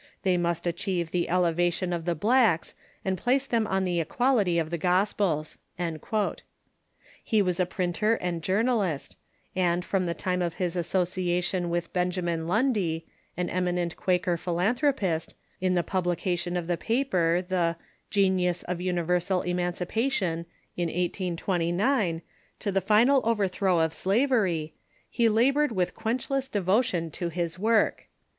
They must achieve the elevation of the blacks, and place them on the equality of the Gospels." He was a printer and journal ist, and from the time of his association with Benjamin Lundy, an eminent Quaker philanthropist, in the publication of the pa per the "Genius of Universal Emancipation," in 1829, to the final overthrow of slavery, he labored with quenchless devo tion to this work.